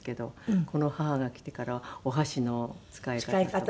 この母が来てからはお箸の使い方とか。